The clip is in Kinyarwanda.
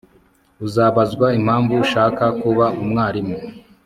Uzabazwa impamvu ushaka kuba umwarimu